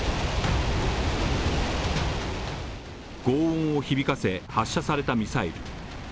ごう音を響かせ、発射されたミサイル。